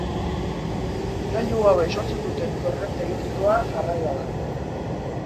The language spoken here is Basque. Gailu hauek sortzen duten korronte elektrikoa jarraia da.